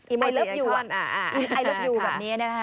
อีโมจีแบบนี้นะฮะ